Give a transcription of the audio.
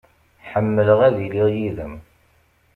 Ḥemmleɣ ad iliɣ yid-m.